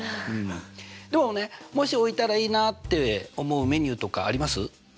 でもねもし置いたらいいなって思うメニューとかあります？